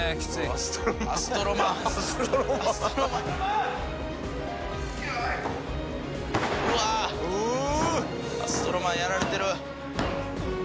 アストロマンやられてる。